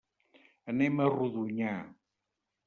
Anem a Rodonyà.